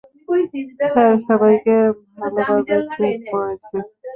Sir, সবাইকে ভালোভাবে check করেছি।